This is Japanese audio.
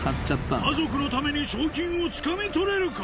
家族のために賞金をつかみ取れるか？